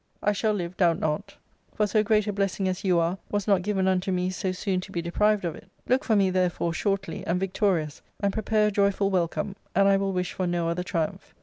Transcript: I shall live, doubt not : for so great a blessing as you are was not given unto me so soon to be deprived of it. Look for me, therefore, shortly, and victorious, and prepare a joyful welcome, and I will wish for no other triumph."